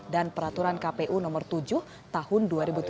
dan peraturan kpu no tujuh tahun dua ribu tujuh belas